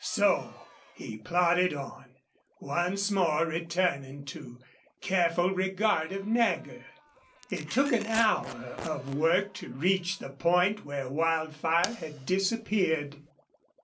So he plodded on, once more returning to careful regard of Nagger. It took an hour of work to reach the point where Wildfire had disappeared.